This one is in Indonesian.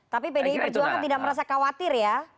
tapi pdi perjuangan tidak merasa khawatir ya